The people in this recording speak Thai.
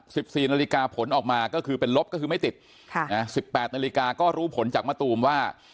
สิบสี่นาฬิกาผลออกมาก็คือเป็นลบก็คือไม่ติดค่ะอ่าสิบแปดนาฬิกาก็รู้ผลจากมะตูมว่า